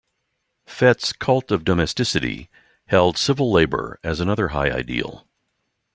Fet's 'cult of domesticity' held 'civil labour' as another high ideal.